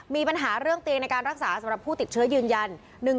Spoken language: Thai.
มีปัญหาเรื่องเตียงในการรักษาสำหรับผู้ติดเชื้อยืนยัน